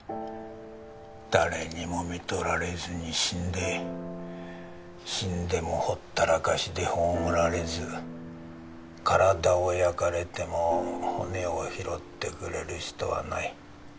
誰にも看取られずに死んで死んでもほったらかしで葬られず体を焼かれても骨を拾ってくれる人はない。